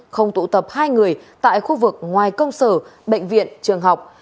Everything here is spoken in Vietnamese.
không tụ tập hai người tại khu vực ngoài công sở bệnh viện trường học